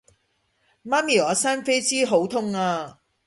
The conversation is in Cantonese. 媽咪我生痱滋好痛呀